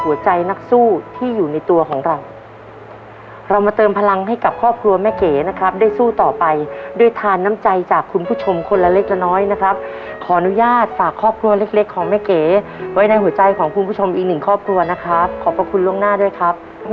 คุณผู้ชมครับวินาทีที่สำคัญมาถึงแล้วกับครอบครัวของแม่เก๋นะครับ